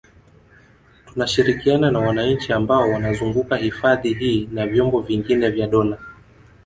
Tunashirikiana na wananchi ambao wanazunguka hifadhi hii na vyombo vingine vya dola